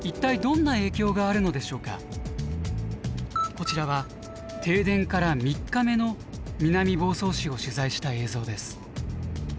こちらは停電から３日目の南房総市を取材した映像です。